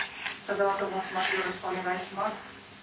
よろしくお願いします。